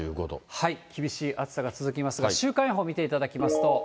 厳しい暑さが続きますが、週間予報見ていただきますと。